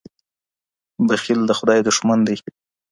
بخیل د خدای دښمن دی.